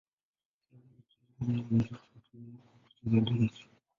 Leo hii kila aina ya muziki hutumiwa kwa kucheza dansi.